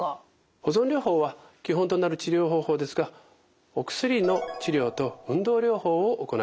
保存療法は基本となる治療方法ですがお薬の治療と運動療法を行います。